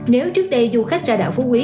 nếu trước đây du khách ra đảo phú quý